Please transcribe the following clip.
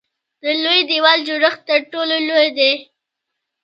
د لوی دیوال جوړښت تر ټولو لوی دی.